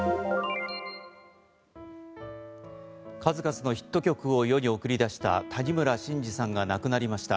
数々のヒット曲を世に送り出した谷村新司さんが亡くなりました。